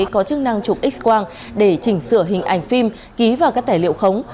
có chức năng chụp x quang để chỉnh sửa hình ảnh phim ký vào các tài liệu khống